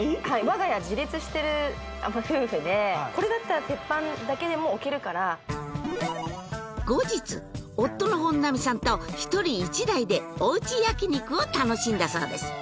我が家自立してる夫婦でこれだったら鉄板だけでも置けるから後日夫の本並さんと１人１台でおうち焼き肉を楽しんだそうです